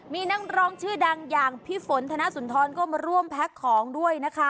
มีนักร้องชื่อดังอย่างพี่ฝนธนสุนทรก็มาร่วมแพ็คของด้วยนะคะ